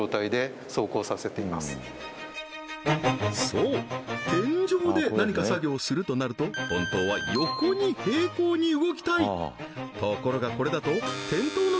そう天井で何か作業するとなると本当は横に平行に動きたいところがこれだと転倒の危険があるってことで